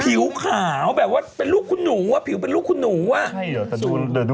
ผิวขาวแบบว่าเป็นลูกคุณหนูอ่ะ